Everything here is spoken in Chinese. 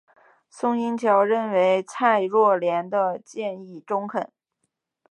宋欣桥认为蔡若莲的建议中肯。